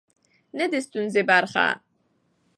نه د ستونزې برخه.